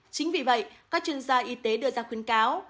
chính vì vậy các chuyên gia y tế đưa ra khuyến cáo